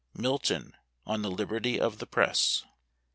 MILTON ON THE LIBERTY OF THE PRESS.